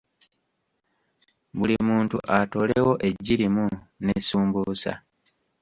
Buli muntu atoolewo eggi limu ne sumbuusa.